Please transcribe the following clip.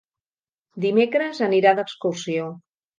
Dimecres anirà d'excursió.